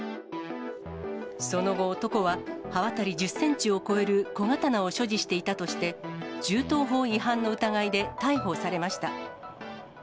その後、男は刃渡り１０センチを超える小刀を所持していたとして、銃刀法違反の疑いで逮捕されました。